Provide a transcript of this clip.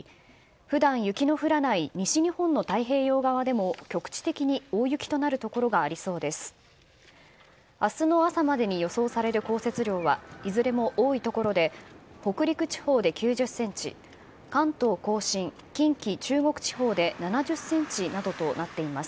普段、雪の降らない西日本の太平洋側でも局地的に大雪となるところがありそうです。